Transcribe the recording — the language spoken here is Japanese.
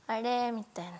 みたいな。